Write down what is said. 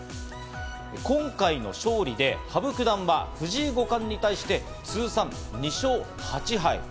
今回の勝利で羽生九段は藤井五冠に対して通算２勝８敗。